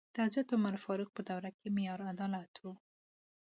د حضرت عمر فاروق په دوره کې معیار عدالت و.